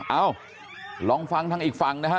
เอ้าลองฟังทางอีกฝั่งนะฮะ